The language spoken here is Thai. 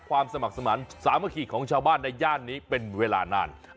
ความสมัครสมัครสามคลิกของชาวบ้านในย่านนี้เป็นเวลานาน